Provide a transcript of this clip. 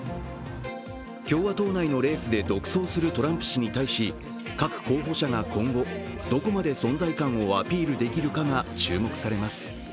共和党内のレースで独走するトランプ氏に対し各候補者が今後、どこまで存在感をアピールできるかが注目されます。